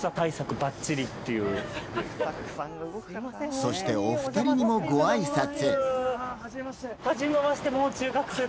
そしてお２人にも、ごあいさつ。